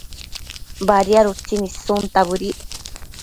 Badiad utsin issunta bëdic